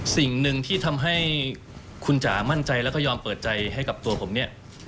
สิ่งหนึ่งที่ทำให้คุณจ๋ามั่นใจแล้วก็ยอมเปิดใจให้กับตัวผมเนี่ย